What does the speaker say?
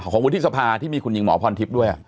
ของวิทยศภาที่มีคุณหญิงหมอพรทิมดรด้วย